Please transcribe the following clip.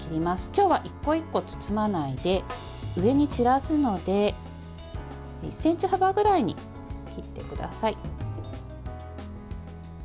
今日は１個１個包まないで上に散らすので１ｃｍ幅ぐらいに切ってください。